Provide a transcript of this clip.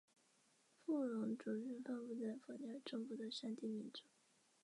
古隆族是分布在尼泊尔中部的山地民族。